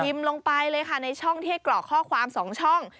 ลงไปเลยค่ะในช่องที่ให้กรอกข้อความ๒ช่อง